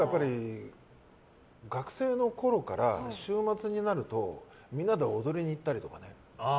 学生のころから、週末になるとみんなで踊りに行ったりとかね。